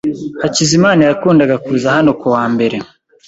Hakizimana yakundaga kuza hano kuwa mbere.